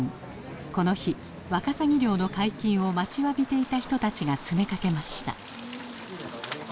この日ワカサギ漁の解禁を待ちわびていた人たちが詰めかけました。